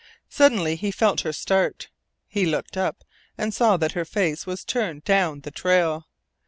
Suddenly he felt her start. He looked up, and saw that her face was turned down the trail.